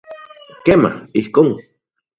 Kema, ijkon.